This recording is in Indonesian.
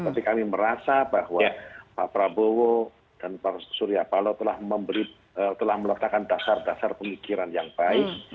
tapi kami merasa bahwa pak prabowo dan pak surya paloh telah meletakkan dasar dasar pemikiran yang baik